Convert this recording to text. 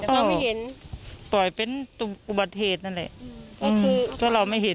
เขาไม่เห็นปล่อยเป็นตัวอุปัติเหตุนั่นแหละอืมก็คือถ้าเราไม่เห็น